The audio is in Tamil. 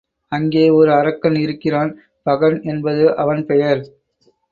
அங்கே ஒரு அரக்கன் இருக்கிறான் பகன் என்பது அவன் பெயர்.